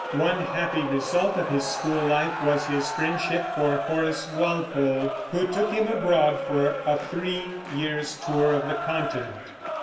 One happy result of his school life was his friendship for Horace Walpole, who took him abroad for a three years' tour of the Continent.